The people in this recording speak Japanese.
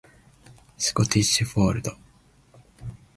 スコティッシュフォールド